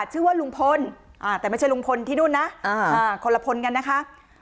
ชื่อว่าลุงพลแต่ไม่ใช่ลุงพลที่นู่นนะคนละพลกันนะคะ